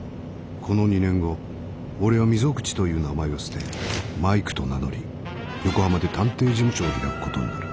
この２年後俺は溝口という名前を捨てマイクと名乗り横浜で探偵事務所を開くことになる。